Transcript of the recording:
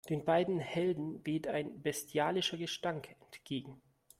Den beiden Helden wehte ein bestialischer Gestank entgegen.